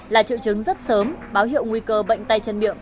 là triệu chứng rất sớm báo hiệu nguy cơ bệnh tay chân miệng